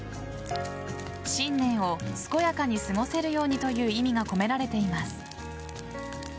新年を健やかに過ごせるようにという意味が込められています。